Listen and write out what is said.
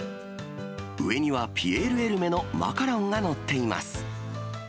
上にはピエール・エルメのマカロンが載っています。